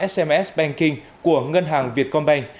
sms banking của ngân hàng việt con bành